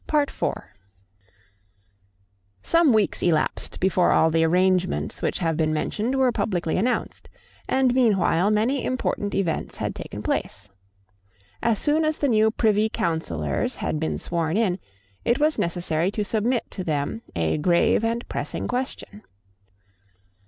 Some weeks elapsed before all the arrangements which have been mentioned were publicly announced: and meanwhile many important events had taken place. As soon as the new Privy Councillors had been sworn in, it was necessary to submit to them a grave and pressing question.